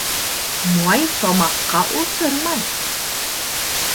Май тамаҡҡа ултырмай.